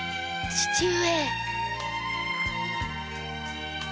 父上。